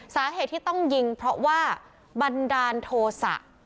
สาเหตุที่ต้องยิงเพราะว่าบันดาลโทษะ